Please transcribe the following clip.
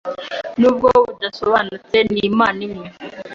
nubwo budasobanutse n'Imana imwe